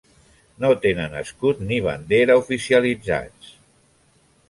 No tenen escut ni bandera oficialitzats: